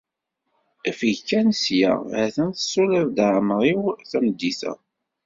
afeg kan sya, ha-t-an tessuliḍ-d ɛemmar-iw tameddit-a.